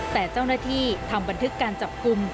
แต่เจ้าหน้าที่ทำบันทึกการจับกลุ่ม